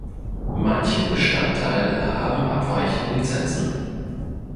Manche Bestandteile haben abweichende Lizenzen.